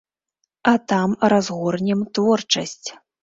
А там разгорнем творчасць.